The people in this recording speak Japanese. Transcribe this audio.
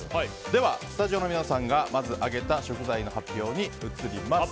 では、スタジオの皆さんが挙げた食材の発表です。